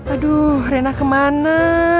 aduh rena kemana